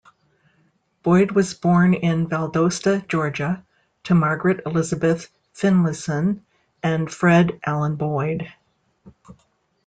Boyd was born in Valdosta, Georgia to Margaret Elizabeth Finlayson and Fred Allen Boyd.